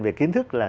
về kiến thức là